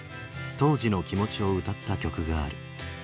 当時の気持ちを歌った曲がある。